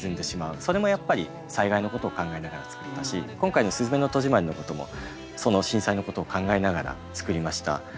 それもやっぱり災害のことを考えながら作ったし今回の「すずめの戸締まり」のこともその震災のことを考えながら作りました。